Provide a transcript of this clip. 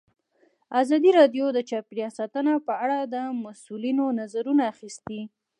ازادي راډیو د چاپیریال ساتنه په اړه د مسؤلینو نظرونه اخیستي.